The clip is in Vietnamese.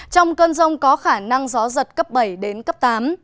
trong cơn rông có khả năng gió giật cấp bảy đến cấp tám